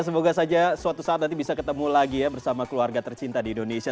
semoga saja suatu saat nanti bisa ketemu lagi ya bersama keluarga tercinta di indonesia